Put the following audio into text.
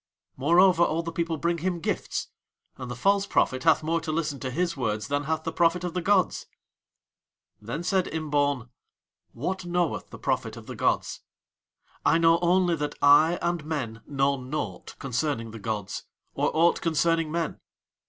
'" Moreover, all the people bring him gifts, and the false prophet hath more to listen to his words than hath the Prophet of the gods. Then said Imbaun: "What knoweth the Prophet of the gods? I know only that I and men know naught concerning the gods or aught concerning men.